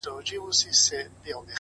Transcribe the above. مهرباني د سختو زړونو قلف ماتوي؛